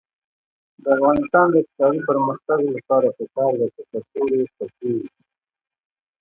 د افغانستان د اقتصادي پرمختګ لپاره پکار ده چې کڅوړې تکې وي.